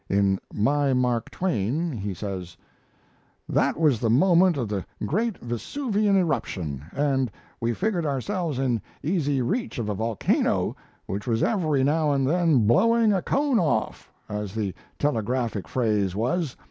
In 'My Mark Twain' he says: That was the moment of the great Vesuvian eruption, and we figured ourselves in easy reach of a volcano which was every now and then "blowing a cone off," as the telegraphic phrase was.